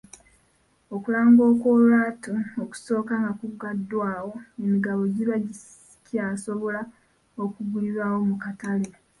Okulanga okw'olwatu okusooka nga kuggaddwawo emigabo giba gikyasobola okugulirwa mu katale.